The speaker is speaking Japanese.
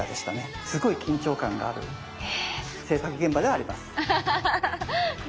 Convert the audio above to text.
すごい緊張感がある制作現場ではあります。